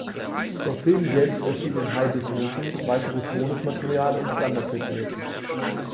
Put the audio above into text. Der Film selbst erschien in High Definition, weiteres Bonus-Material in Standard Definition.